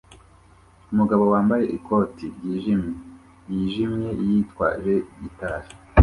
Umugabo wambaye ikote ryijimye yijimye yitwaje gitari